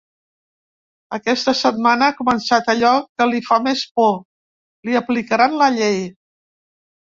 Aquesta setmana ha començat allò que li fa més por: li aplicaran la llei.